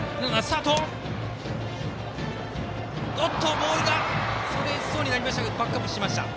ボールがそれかけましたがバックアップしました。